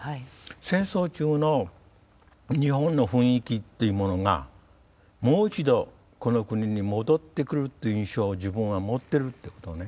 戦争中の日本の雰囲気っていうものがもう一度この国に戻ってくるという印象を自分は持ってるっていうことをね